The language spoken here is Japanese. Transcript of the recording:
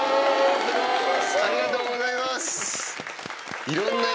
ありがとうございます。